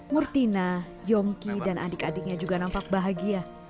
murtina yongki dan adik adiknya juga nampak bahagia